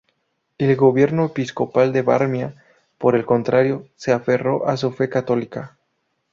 El gobierno episcopal de Varmia, por el contrario, se aferró a su fe católica.